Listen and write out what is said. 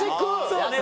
そうね。